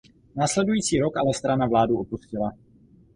Následující rok ale strana vládu opustila.